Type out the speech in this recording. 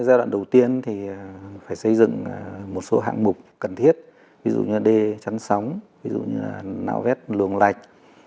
giai đoạn đầu tiên thì phải xây dựng một số hạng mục cần thiết ví dụ như đê chắn sóng ví dụ như là nạo vét luồng lạch